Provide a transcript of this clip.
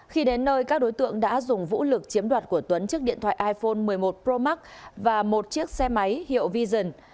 khi đến nơi các đối tượng đã dùng vũ lực chiếm đoạt của tuấn trước điện thoại iphone một mươi một pro max và một chiếc xe máy hiệu vision